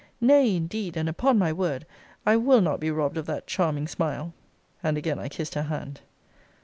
Nay, indeed, and upon my word, I will not be robbed of that charming smile! And again I kissed her hand.